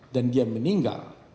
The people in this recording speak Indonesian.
dan dia meninggal